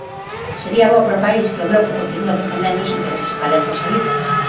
Sería bo para o país que o Bloque continúe defendendo os intereses galegos alí.